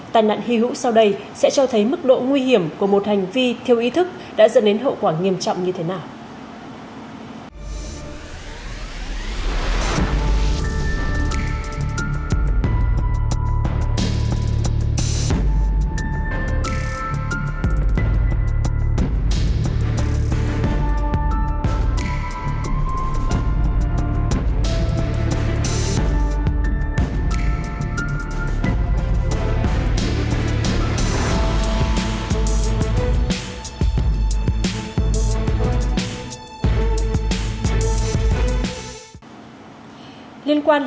tai nạn hy hữu sau đây sẽ cho thấy mức độ nguy hiểm của một hành vi thiêu ý thức đã dẫn đến hậu quả nghiêm trọng như thế nào